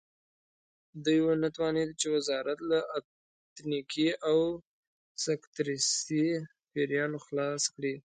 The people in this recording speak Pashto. دوی ونه توانېدل چې وزارت له اتنیکي او سکتریستي پیریانو خلاص کړي.